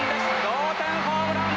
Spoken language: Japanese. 同点ホームラン。